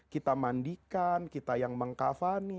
kita mandikan kita yang mengkafani